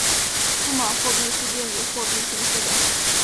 数码货币是电子货币形式的。